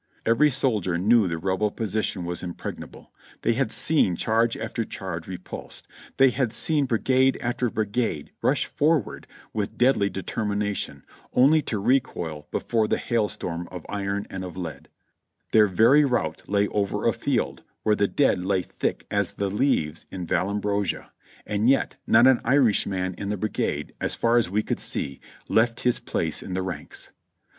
Ever}^ soldier knew the Rebel position was impregnable: they had seen charge after charge re pulsed, they had seen brigade after brigade rush forward with deadly determination, only to recoil before the hailstorm of iron and of lead ; their very route lay over a field where the dead lay thick "as the leaves in A'allombrosa;"' and yet not an Irishman in the brigade, as far as we could see, left his place in the ranks.